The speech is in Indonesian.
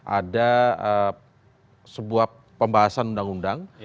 ada sebuah pembahasan undang undang